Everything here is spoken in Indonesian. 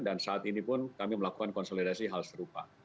dan saat ini pun kami melakukan konsolidasi hal serupa